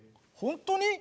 本当に？